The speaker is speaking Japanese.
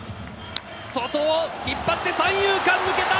外、引っ張って三遊間抜けた！